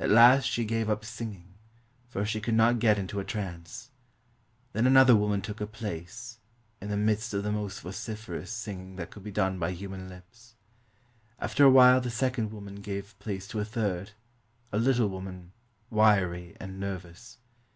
At last she gave up singing, for she could not get into a trance. Then another woman took her place, in the midst of the most vociferous singing that could be done by human lips. After a while the second woman gave place to a third — a little woman, wiry and nervous.